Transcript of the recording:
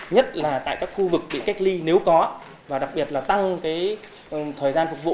nhất là tại các khu vực bị cách ly nếu có và đặc biệt là tăng thời gian phục vụ